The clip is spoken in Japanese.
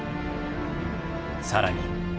更に。